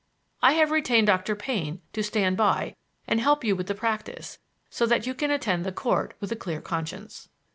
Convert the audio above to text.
I have retained Dr. Payne to stand by and help you with the practise, so that you can attend the Court with a clear conscience."